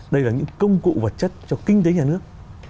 đây là những công cụ vật chất cho kinh tế nhà nước